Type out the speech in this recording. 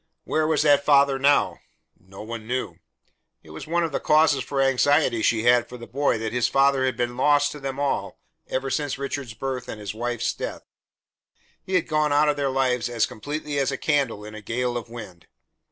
Where was that father now? No one knew. It was one of the causes for anxiety she had for the boy that his father had been lost to them all ever since Richard's birth and his wife's death. He had gone out of their lives as completely as a candle in a gale of wind.